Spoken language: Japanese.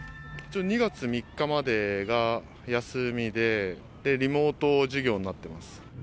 ２月３日までが休みで、リモート授業になってます。